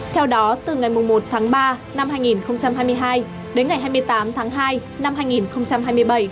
theo đó từ ngày một tháng ba năm hai nghìn hai mươi hai đến ngày hai mươi tám tháng hai năm hai nghìn hai mươi bảy